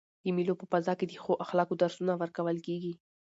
د مېلو په فضا کښي د ښو اخلاقو درسونه ورکول کیږي.